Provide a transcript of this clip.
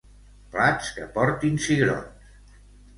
Plats que portin cigrons.